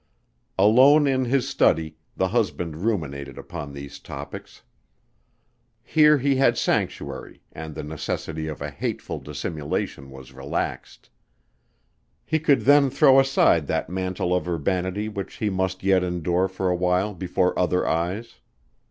Alone in his study, the husband ruminated upon these topics. Here he had sanctuary and the necessity of a hateful dissimulation was relaxed. He could then throw aside that mantle of urbanity which he must yet endure for a while before other eyes.